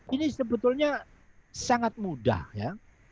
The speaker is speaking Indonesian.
ini sebetulnya sangat mudah ya